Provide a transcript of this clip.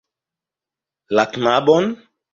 La knabon.